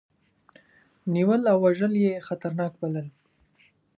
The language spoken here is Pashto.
نیول او وژل یې خطرناک بلل.